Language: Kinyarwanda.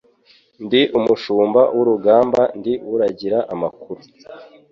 Ndi umushumba w' urugamba ndi uragira amakuru